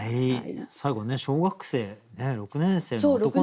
最後ね小学生６年生の男の子の句。